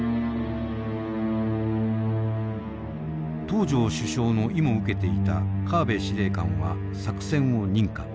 東條首相の意も受けていた河辺司令官は作戦を認可。